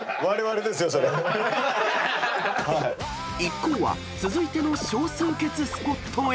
［一行は続いての少数決スポットへ］